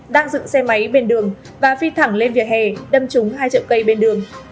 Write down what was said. đang dựng xe máy bên đường và phi thẳng lên vỉa hè đâm trúng hai chợ cây bên đường